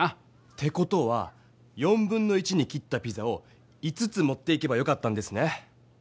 て事は1/4に切ったピザを５つ持っていけばよかったんですね。